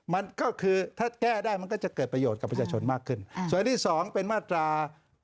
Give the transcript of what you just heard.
มันก็คือถ้าแก้ได้มันก็จะเกิดประโยชน์กับประชาชนมากขึ้นส่วนที่สองเป็นมาตรา